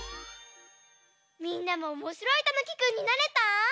みんなもおもしろいたぬきくんになれた？